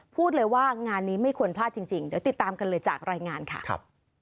พูดเลยว่างานนี้ไม่ควรพลาดจริงเดี๋ยวติดตามกันเลยจากรายงานค่ะครับ